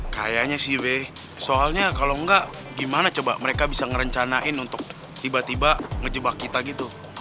kayaknya sih b soalnya kalau enggak gimana coba mereka bisa ngerencanain untuk tiba tiba ngejebak kita gitu